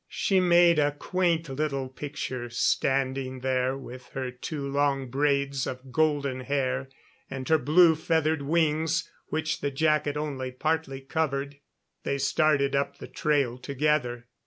She made a quaint little picture standing there, with her two long braids of golden hair, and her blue feathered wings which the jacket only partly covered. They started up the trail together.